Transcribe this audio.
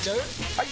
・はい！